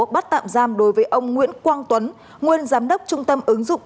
bắt tạm giam đối với ông nguyễn quang tuấn nguyên giám đốc trung tâm ứng dụng